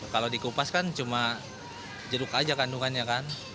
kalau dikupas kan cuma jeruk aja kandungannya kan